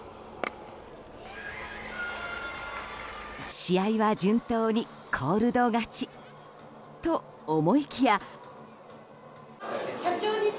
試合は順当にコールド勝ちと思いきや。